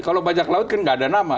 kalau bajak laut kan gak ada nama